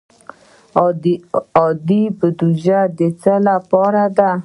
عادي بودجه د څه لپاره ده؟